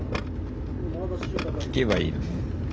聞けばいいのに。